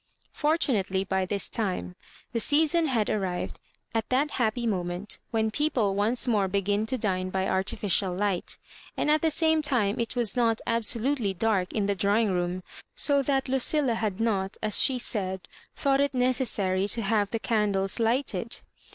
Fortunately by tbid time the season had ar rived at that happy moment when people once vmore begin to dine by artificial light; and at the same time it was not absolutely dark in the drawing room, so that Lucilla had not, as she said, thought it necessary to have the candles lighted.